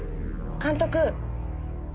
監督？